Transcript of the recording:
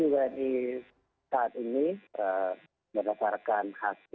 baik kondisi wni saat ini